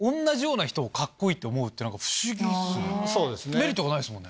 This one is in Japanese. メリットがないですもんね。